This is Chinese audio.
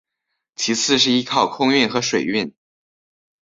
其次是依靠空运和水运。